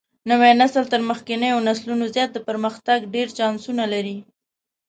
نوى نسل تر مخکېنيو نسلونو زيات د پرمختګ ډېر چانسونه لري.